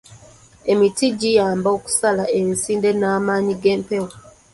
Emiti giyamba okusala emisinde n'amaanyi g'empewo.